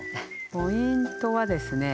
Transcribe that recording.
ポイントはですね